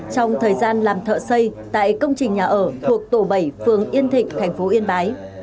trong thời gian làm thợ xây tại công trình nhà ở thuộc tổ bảy phường yên thịnh thành phố yên bái